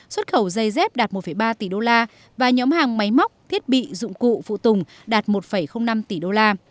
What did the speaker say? xuất khẩu dây dép đạt một ba tỷ usd và nhóm hàng máy móc thiết bị dụng cụ phụ tùng đạt một năm tỷ usd